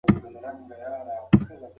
ښه خوب د وزن په کنټرول کې مرسته کوي.